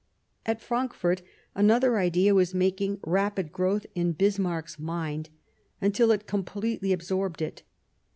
At Frankfort another idea was making rapid growth in Bismarck's mind, until it completely absorbed it.